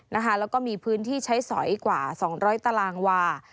แล้วก็มีพื้นที่ใช้สอยกว่า๒๐๐ตารางวา